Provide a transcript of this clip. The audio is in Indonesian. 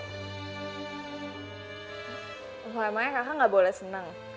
emang emangnya kakak gak boleh seneng